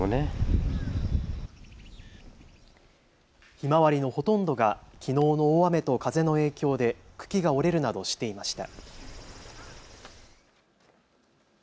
ひまわりのほとんどがきのうの大雨と風の影響で茎が折れるなどしていました。